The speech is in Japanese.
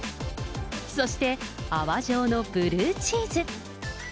そして泡状のブルーチーズ。